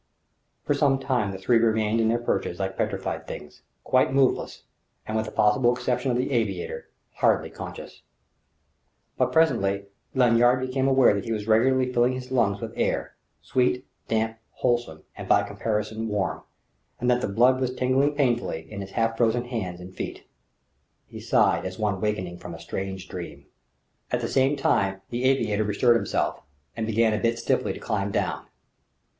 For some time the three remained in their perches like petrified things, quite moveless and with the possible exception of the aviator hardly conscious. But presently Lanyard became aware that he was regularly filling his lungs with air sweet, damp, wholesome, and by comparison warm, and that the blood was tingling painfully in his half frozen hands and feet. He sighed as one waking from a strange dream. At the same time the aviator bestirred himself, and began a bit stiffly to climb down.